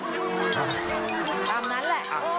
ตามนั้นแหละ